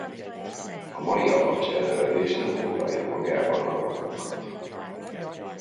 A mai apacs elnevezés nem foglalja magába a navahókat.